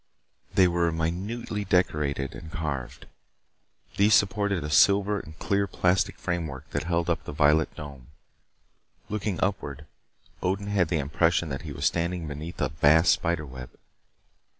They were minutely decorated and carved. These supported a silver and clear plastic framework that held up the violet dome. Looking upward, Odin had the impression that he was standing beneath a vast spider web.